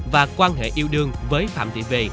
và quan hệ yêu đương với phạm tị v